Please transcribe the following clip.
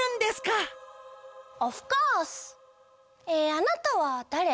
えあなたはだれ？